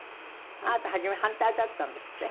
あなた初め反対だったんですって？